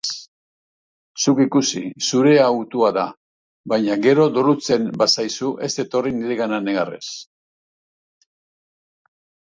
Zuk ikus, zure hautua da. Baina gero dolutzen bazaizu ez etorri niregana negarrez.